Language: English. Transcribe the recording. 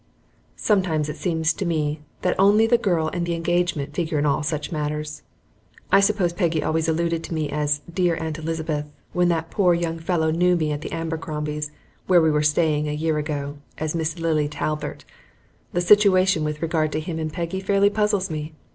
Sometimes it seems to me that only the girl and the engagement figure at all in such matters. I suppose Peggy always alluded to me as "dear Aunt Elizabeth," when that poor young fellow knew me at the Abercrombies', where we were staying a year ago, as Miss Lily Talbert. The situation with regard to him and Peggy fairly puzzles me.